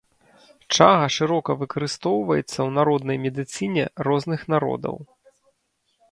Чага шырока выкарыстоўваецца ў народнай медыцыне розных народаў.